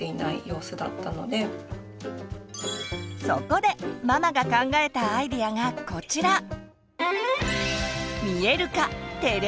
そこでママが考えたアイデアがこちら！